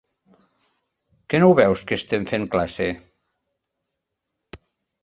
Que no ho veus, que estem fent classe?